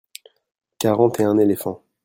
quarante et un éléphants.